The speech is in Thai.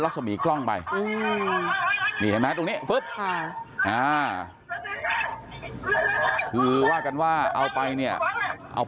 ลักษณ์หรือกล้องไปมีแม่ตรงนี้คือว่ากันว่าเอาไปเนี่ยเอา